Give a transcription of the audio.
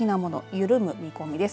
緩む見込みです。